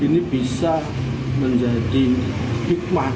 ini bisa menjadi hikmah